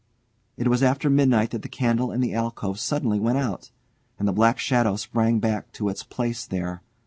It was after midnight that the candle in the alcove suddenly went out, and the black shadow sprang back to its place there.